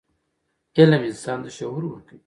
علم انسان ته شعور ورکوي.